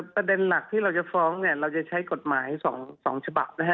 ประเด็นหนักที่เราจะฟ้องเนี่ยเราจะใช้กฎหมาย๒ฉบับนะฮะ